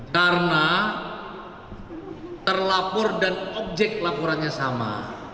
karena terlapor dan objek laporannya sama